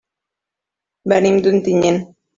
Venim d'Ontinyent.